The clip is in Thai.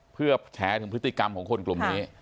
เพื่อแฉถึงพฤติกรรมของคนกลุ่มนี้